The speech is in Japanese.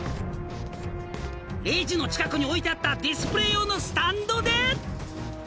［レジの近くに置いてあったディスプレー用のスタンドで］